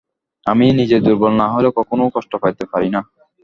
আমি নিজে দুর্বল না হইলে কখনও কষ্ট পাইতে পারি না।